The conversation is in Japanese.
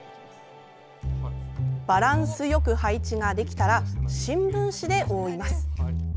バランスよく配置ができたら新聞紙で覆います。